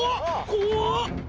怖っ！